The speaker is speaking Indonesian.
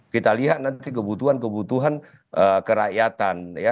kita lihat nanti kebutuhan kebutuhan kerakyatan